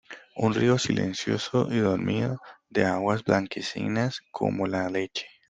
un río silencioso y dormido, de aguas blanquecinas como la leche